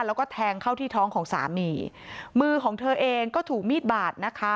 แล้วก็แทงเข้าที่ท้องของสามีมือของเธอเองก็ถูกมีดบาดนะคะ